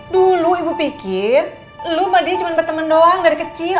dulu ibu pikir lu mbak dia cuma berteman doang dari kecil